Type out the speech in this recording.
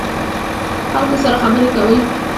خلکو سره خبرې کوئ؟